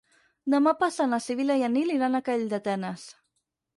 Demà passat na Sibil·la i en Nil iran a Calldetenes.